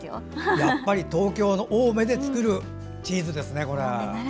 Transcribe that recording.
やっぱり東京・青梅で作るチーズですね。